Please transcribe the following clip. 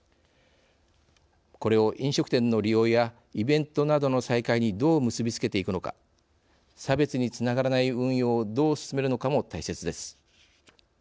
これを飲食店の利用やイベントなどの再開にどう結び付けていくのか差別につながらない運用をどう進めるのかも大切です。